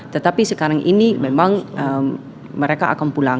tetapi sekarang ini memang mereka akan pulang